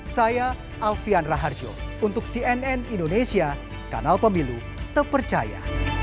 saya alfian raharjo untuk cnn indonesia kanal pemilu terpercaya